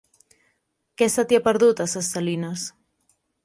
Què se t'hi ha perdut, a Ses Salines?